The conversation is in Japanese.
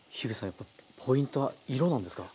やっぱりポイントは色なんですか？